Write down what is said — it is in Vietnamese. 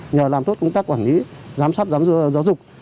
nhờ làm tốt công tác quản lý giám sát giáo dục